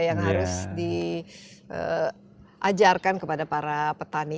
yang harus diajarkan kepada para petani